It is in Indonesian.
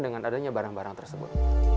dengan adanya barang barang tersebut